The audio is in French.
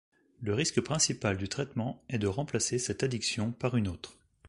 Le risque principal du traitement est de remplacer cette addiction par une autre.